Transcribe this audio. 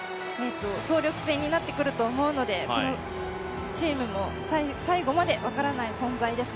総力戦になってくると思うので、このチームも最後まで分からない存在です。